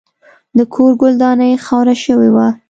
د کور ګلداني خاوره شوې وه.